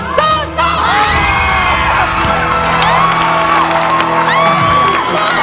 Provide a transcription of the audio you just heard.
คุณตอบว่าสู้